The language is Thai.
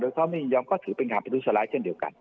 โดยเขาไม่ยอมก็ถือเป็นการปฏิเสริฐเช่นเดียวกัน